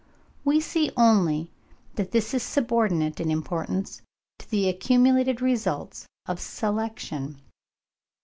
We see only that this is subordinate in importance to the accumulated results of selection.